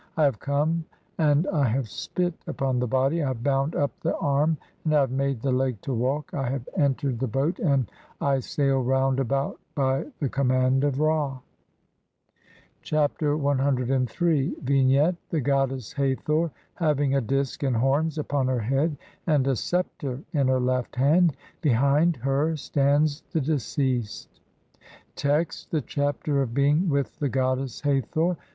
I have "come and I have spit upon the body, I have bound up the "arm, and I have made the leg to walk. (9) [I have] entered "[the boat] and [I] sail round about by the command of Ra." Chapter CIII. [From the Papyrus of Nu (Brit. Mus. No. 10,477, sheet 8).] Vignette : The goddess Hathor, having a disk and horns upon her head, and a sceptre in her left hand ; behind her stands the deceased. Text : (1) The Chapter of being with the goddess HATHOR.